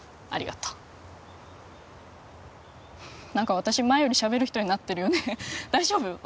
ありがとうなんか私前よりしゃべる人になってるよね大丈夫？